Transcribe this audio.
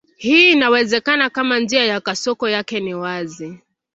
Hii inawezekana kama njia ya kasoko yake ni wazi.